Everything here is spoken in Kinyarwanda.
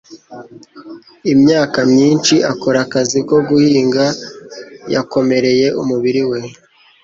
Imyaka myinshi akora akazi ko guhinga yakomereye umubiri we.